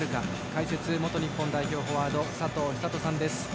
解説、元日本代表フォワード佐藤寿人さんです。